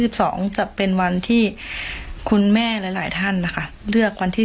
จะเป็นวันที่คุณแม่หลายหลายท่านนะคะเลือกวันที่